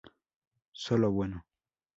Solo Bueno